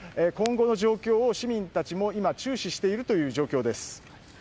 今後の状況を市民たちも今、注視しているという状況です。